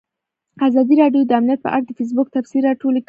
ازادي راډیو د امنیت په اړه د فیسبوک تبصرې راټولې کړي.